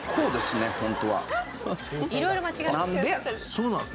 そうなの？